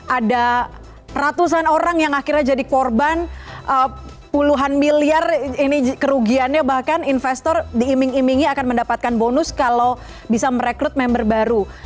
ada ratusan orang yang akhirnya jadi korban puluhan miliar ini kerugiannya bahkan investor diiming imingi akan mendapatkan bonus kalau bisa merekrut member baru